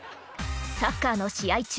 サッカーの試合中